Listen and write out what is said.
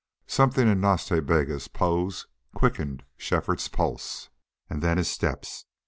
Something in Nas Ta Bega's pose quickened Shefford's pulse and then his steps.